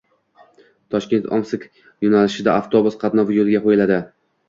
Toshkent-Omsk yo‘nalishida avtobus qatnovi yo‘lga qo‘yiladi